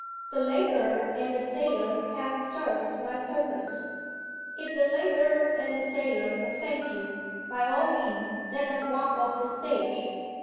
The laborer and the sailor have served my purpose. If the laborer and the sailor offend you, by all means let them walk off the stage!